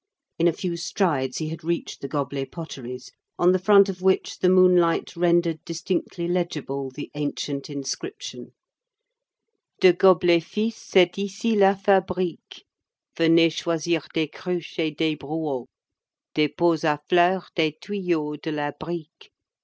In a few strides he had reached the Goblet potteries, on the front of which the moonlight rendered distinctly legible the ancient inscription:— De Goblet fils c'est ici la fabrique; Venez choisir des cruches et des brocs, Des pots à fleurs, des tuyaux, de la brique.